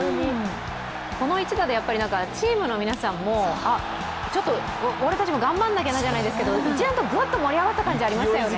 この一打でチームの皆さんも俺たちも頑張んなきゃじゃいけど一段とぐわっと盛り上がった感じありましたよね。